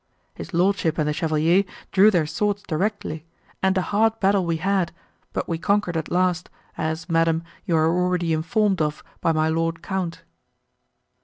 His lordship and the chevalier drew their swords directly, and a hard battle we had, but we conquered at last, as, madam, you are already informed of by my Lord Count."